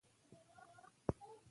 کتابونه واخلئ او ویې لولئ.